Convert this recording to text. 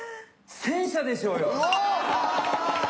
戦車でしょうよ！